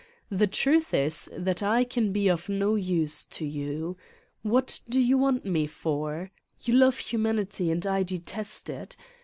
The truth is that I can be of no use to you. What do you want me for? You love humanity and I de test it.